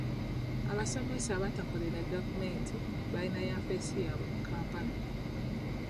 Abasomesa abatakolera gavumenti bayina yafeesi yaabwe mu Kampala.